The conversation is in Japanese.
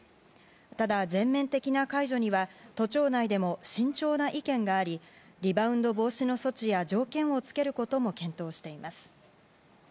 ただ、全面的な解除は都庁内でも慎重な意見がありリバウンド防止の措置や条件を付けることも検討しています。